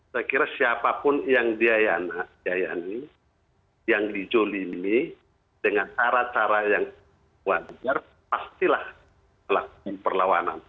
saya kira siapapun yang diayani yang dijolimi dengan cara cara yang wajar pastilah melakukan perlawanan